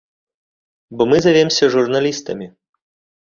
Бо мы завемся журналістамі.